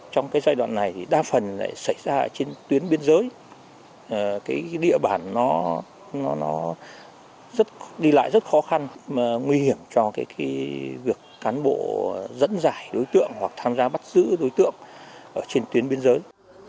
trong giai đoạn này thì đa phần xảy ra trên tuyến biên giới địa bàn nó đi lại rất khó khăn nguy hiểm cho việc cán bộ dẫn dải đối tượng hoặc tham gia bắt giữ đối tượng trên tuyến biên giới